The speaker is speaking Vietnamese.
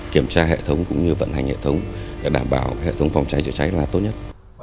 kiểm tra hệ thống cũng như vận hành hệ thống để đảm bảo hệ thống phòng cháy chữa cháy là tốt nhất